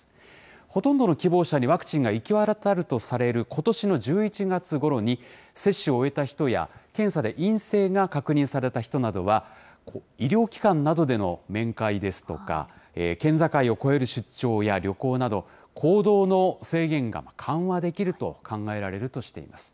ほとんどの希望者にワクチンが行き渡るとされることしの１１月ごろに、接種を終えた人や、検査で陰性が確認された人などは、医療機関などでの面会ですとか、県境を越える出張や旅行など、行動の制限が緩和できると考えられるとしています。